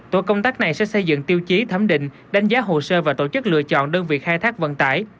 tổ công tác này sẽ xây dựng tiêu chí thẩm định đánh giá hồ sơ và tổ chức lựa chọn đơn vị khai thác vận tải